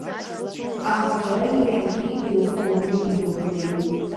Аха дара еиҳагьы ирыӷәӷәаны идәықәлеит.